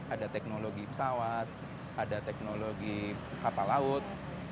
ada teknologi pesawat ada teknologi kapal laut